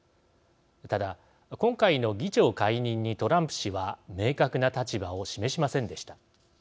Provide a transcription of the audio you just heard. ただ、今回の議長解任にトランプ氏は明確な立場を示しませんでした。